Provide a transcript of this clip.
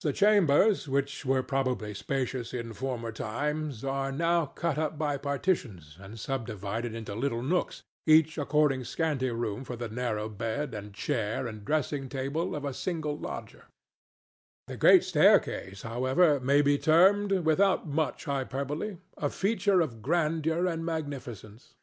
The chambers, which were probably spacious in former times, are now cut up by partitions and subdivided into little nooks, each affording scanty room for the narrow bed and chair and dressing table of a single lodger: The great staircase, however, may be termed, without much hyperbole, a feature of grandeur and magnificence.